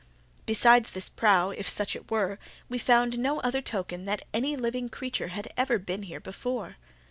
Besides this prow, if such it were, we found no other token that any living creature had ever been here before.